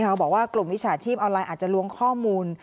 บอกว่ากลุ่มมิจฉาชีพออนไลอาจจะล้วงข้อมูล